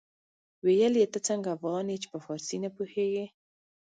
ويل يې ته څنګه افغان يې چې په فارسي نه پوهېږې.